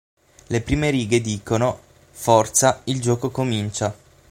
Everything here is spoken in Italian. Le prime righe dicono: "Forza, il gioco comincia!